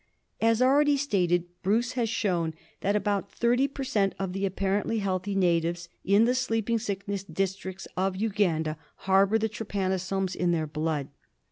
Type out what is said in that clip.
As already stated, Bruce has shown that about thirty per cent, of the apparently healthy natives in the Sleeping Sickness districts of Uganda harbour the trypanosomes in their blood.